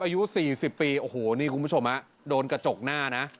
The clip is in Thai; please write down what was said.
อายุ๔๐ปีโอ้โหนี่คุณผู้ชมโดนกระจกหน้านะ